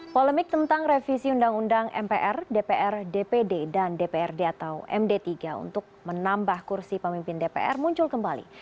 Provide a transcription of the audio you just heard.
polemik tentang revisi undang undang mpr dpr dpd dan dprd atau md tiga untuk menambah kursi pemimpin dpr muncul kembali